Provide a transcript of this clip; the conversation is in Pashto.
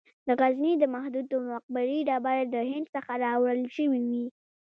د غزني د محمود د مقبرې ډبرې د هند څخه راوړل شوې وې